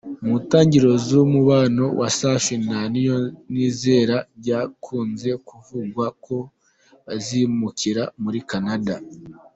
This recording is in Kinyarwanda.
Mu ntangiriro z’umubano wa Safi na Nizonizera byakunze kuvugwa ko bazimukira muri Canada.